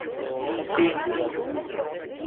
Akka i nwiɣ.